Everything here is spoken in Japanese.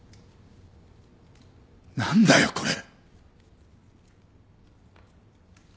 何だよこれ！